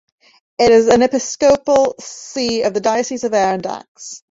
It is an episcopal see of the Diocese of Aire and Dax.